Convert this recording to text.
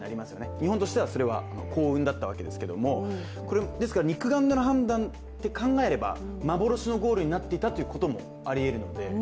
日本としてはそれは幸運だったわけですけれども、肉眼での判断って考えれば幻のゴールとなっていた可能性もあるので。